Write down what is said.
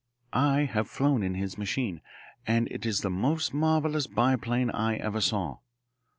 I have flown in his machine, and it is the most marvellous biplane I ever saw.